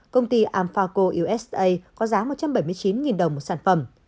công ty alphaco usa có giá một trăm bảy mươi chín đồng một sản phẩm